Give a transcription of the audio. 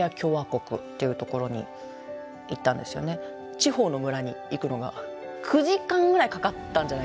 地方の村に行くのが９時間ぐらいかかったんじゃないかな。